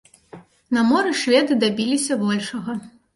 На моры шведы дабіліся большага.